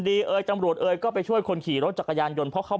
เอ่ยตำรวจเอยก็ไปช่วยคนขี่รถจักรยานยนต์เพราะเขา